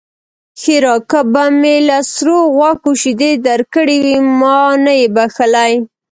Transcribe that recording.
ښېرا: که به مې له سرو غوښو شيدې درکړې وي؛ ما نه يې بښلی.